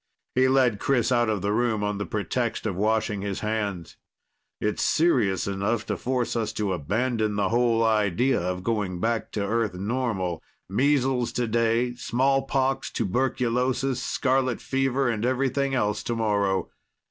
He led Chris out of the room on the pretext of washing his hands. "It's serious enough to force us to abandon the whole idea of going back to Earth normal. Measles today, smallpox, tuberculosis, scarlet fever and everything else tomorrow.